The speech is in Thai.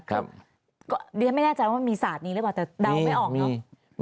เรียนไม่แน่ใจว่ามันมีศาสตร์นี้หรือเปล่าแต่เดาไม่ออกเนอะ